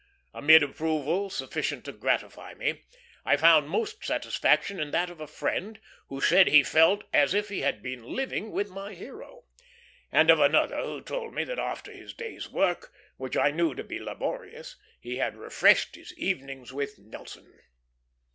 Amid approval sufficient to gratify me, I found most satisfaction in that of a friend who said he felt as if he had been living with my hero; and of another who told me that after his day's work, which I knew to be laborious, he had refreshed his evenings with Nelson.